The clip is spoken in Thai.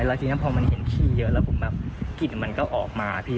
แล้วทีนี้พอมันเห็นขี้เยอะแล้วผมแบบกลิ่นมันก็ออกมาพี่